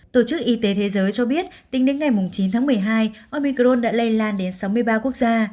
tổ chức y tế thế giới cho biết tính đến ngày chín tháng một mươi hai omicron đã lây lan đến sáu mươi ba quốc gia